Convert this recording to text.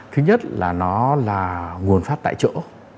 thứ nhất là nó là nguồn pháp tại chỗ